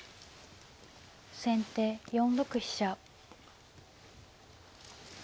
先手４六飛車。